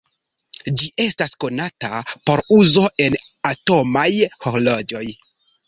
Ĝi estas konata por uzo en atomaj horloĝoj.